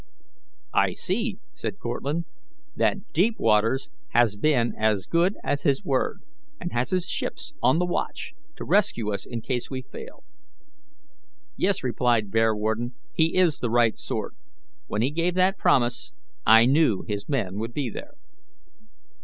"I see," said Cortlandt, "that Deepwaters has been as good as his word, and has his ships on the watch to rescue us in case we fail." "Yes," replied Bearwarden, "he is the right sort. When he gave that promise I knew his men would be there."